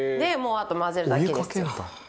もうあと混ぜるだけですよと。